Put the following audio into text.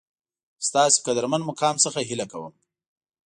ستاسو قدرمن مقام څخه هیله کوم